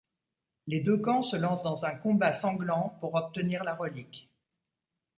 Les deux camps se lance dans un combat sanglant pour obtenir la relique.